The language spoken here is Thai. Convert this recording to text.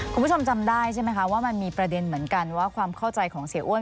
คุณผู้ชมจำได้ใช่ไหมคะว่ามันมีประเด็นเหมือนกันว่าความเข้าใจของเสียอ้วน